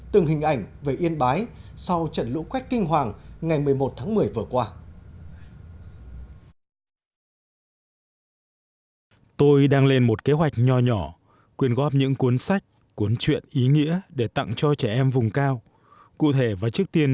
từng hình ảnh về yên bái sau trận lũ quét kinh hoàng ngày một mươi một tháng một mươi vừa qua